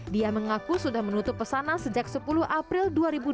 dia mengaku sudah menutup pesanan sejak sepuluh april dua ribu dua puluh